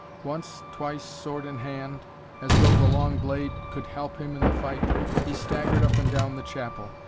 Once, twice, sword in hand, as though the long blade could help him in the fight, he staggered up and down the chapel.